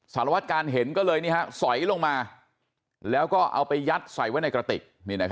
สารวัตการเห็นก็เลยสอยลงมาแล้วก็เอาไปยัดใส่ไว้ในกระติก